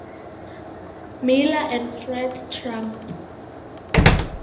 Miller and Fred Trump.